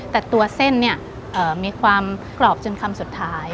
แต่ตัวเส้นเนี่ยมีความกรอบจนคำสุดท้าย